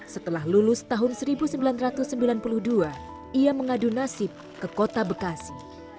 setelah lulus tahun seribu sembilan ratus sembilan puluh dua ia mengadu nasib ke kota bekasi